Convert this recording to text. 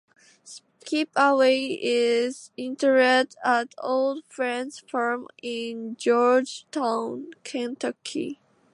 Skip Away is interred at Old Friends Farm in Georgetown, Kentucky.